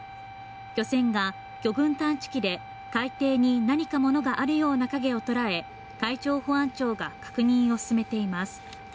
漁船が魚群探知機で海底に何か物があるような影を捉え海上保安庁が確認を進めています。